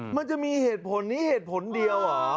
มันจะมีเหตุผลนี้เหตุผลเดียวเหรอ